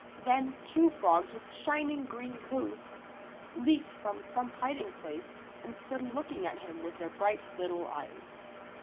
Then two frogs with shining green coats leaped from some hiding place and stood look ing at him with their bright little eyes.